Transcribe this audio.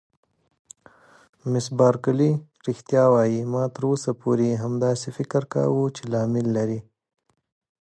مس بارکلي: رښتیا وایې؟ ما تر اوسه پورې همداسې فکر کاوه چې لامل لري.